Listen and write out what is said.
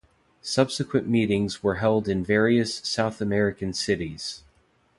Subsequent meetings were held in various South American cities.